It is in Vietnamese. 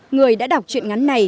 người đã đọc chuyện ngắn này